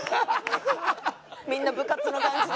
みんな部活の感じでね。